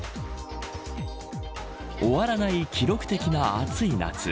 終わらない記録的な暑い夏。